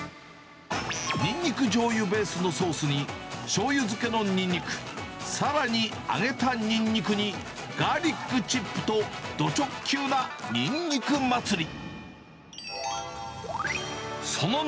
ニンニクじょうゆベースのソースに、しょうゆ漬けのニンニク、さらに揚げたニンニクに、ガーリックチップと、ド直球なニンニク祭り。